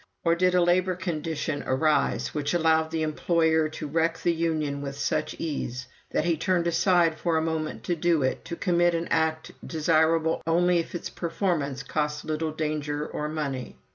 Or did a labor condition arise which allowed the employer to wreck the union with such ease, that he turned aside for a moment to do it, to commit an act desirable only if its performance cost little danger or money?